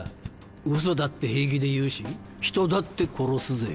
ウソだって平気で言うし人だって殺すぜ。